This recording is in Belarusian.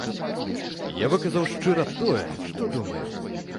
Я выказаў шчыра тое, што думаю.